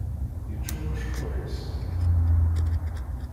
Yeččur ucekkuḥ-is.